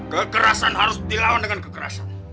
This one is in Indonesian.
kekerasan harus dilawan dengan kekerasan